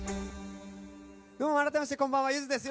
どうも改めましてこんばんはゆずです。